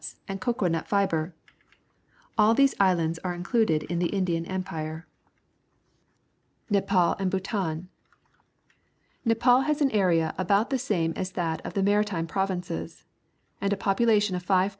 s and cocoa nut fibre . All these islands are included in the Indian Empire. CHINA 217 Nepal and Bhutan. — A'epal has an area about the same as that of the Maritime Provinces, and a population of 5,600,000.